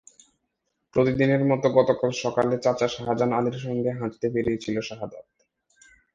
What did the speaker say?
প্রতিদিনের মতো গতকাল সকালে চাচা শাহজাহান আলীর সঙ্গে হাঁটতে বেরিয়েছিল শাহাদাত।